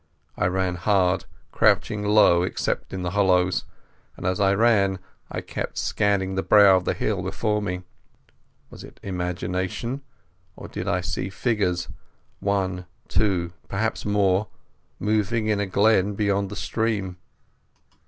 I ran hard, crouching low except in the hollows, and as I ran I kept scanning the brow of the hill before me. Was it imagination, or did I see figures—one, two, perhaps more—moving in a glen beyond the stream?